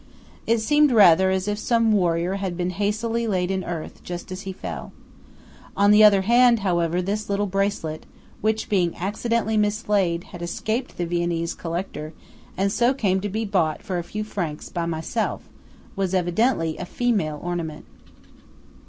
It seemed rather as if some warrior had been hastily laid in earth, just as he fell. On the other hand, however, this little bracelet (which, being accidentally mislaid, had escaped the Viennese collector, and so came to be bought for a few francs by myself) was evidently a female ornament.